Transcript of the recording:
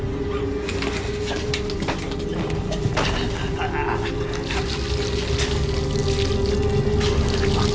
ああっ！